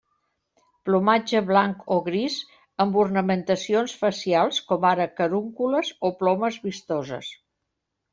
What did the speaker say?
Plomatge blanc o gris, amb ornamentacions facials com ara carúncules o plomes vistoses.